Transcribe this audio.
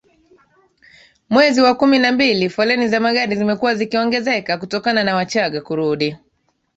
mwezi wa kumi na mbili foleni za magari zimekuwa zikiongezeka kutokana na Wachagga kurudi